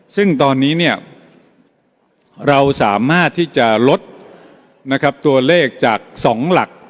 ซึ่งตอนนี้เนี่ยเราสามารถที่จะลดนะครับตัวเลขจาก๒หลัก